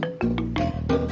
ditaro di sini aja